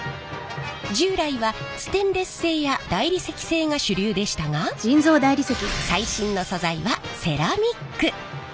従来はステンレス製や大理石製が主流でしたが最新の素材はセラミック！